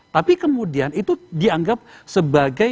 tapi kemudian itu dianggap sebagai